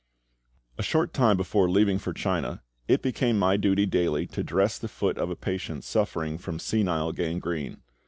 A short time before leaving for China, it became my duty daily to dress the foot of a patient suffering from senile gangrene.